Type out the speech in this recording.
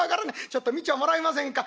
ちょっと見ちゃもらえませんか？」。